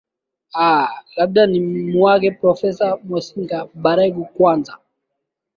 aa labda ni muage profesa mwesiga baregu kwanza